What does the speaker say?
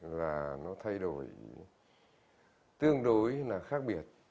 và nó thay đổi tương đối là khác biệt